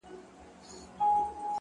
اوس يې ياري كومه ياره مـي ده.!